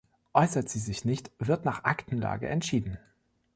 Äußert sie sich nicht, wird „nach Aktenlage“ entschieden.